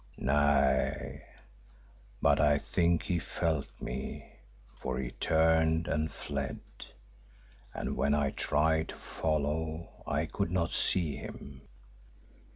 "Nay, but I think he felt me for he turned and fled and when I tried to follow I could not see him.